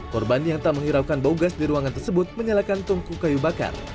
korban yang tak menghiraukan bau gas di ruangan tersebut menyalakan tungku kayu bakar